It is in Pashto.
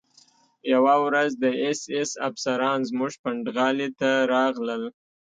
یوه ورځ د اېس ایس افسران زموږ پنډغالي ته راغلل